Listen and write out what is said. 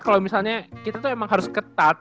kalau misalnya kita tuh emang harus ketat